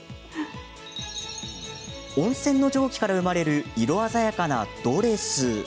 温泉の蒸気から生まれる色鮮やかなドレス。